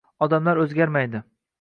Odamlar o’zgarmaydi